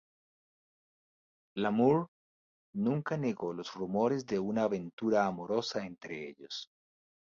Lamour nunca negó los rumores de una aventura amorosa entre ellos.